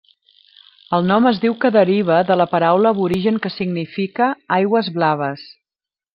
El nom es diu que deriva de la paraula aborigen que significa 'aigües blaves'.